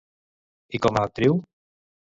I com a actriu?